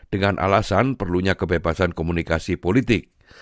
dengan alasan perlunya kebebasan komunikasi politik